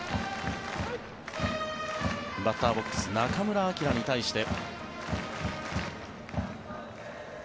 バッターボックス中村晃に対して。